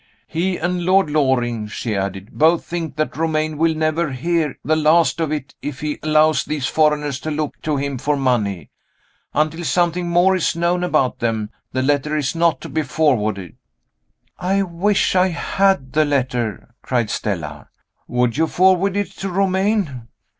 "He and Lord Loring," she added, "both think that Romayne will never hear the last of it if he allows these foreigners to look to him for money. Until something more is known about them, the letter is not to be forwarded." "I wish I had the letter," cried Stella. "Would you forward it to Romayne?"